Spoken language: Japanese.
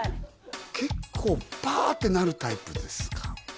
結構パーッてなるタイプですか？